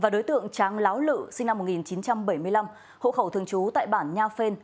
đối tượng tráng láo lự sinh năm một nghìn chín trăm bảy mươi năm hộ khẩu thường trú tại bản nha phên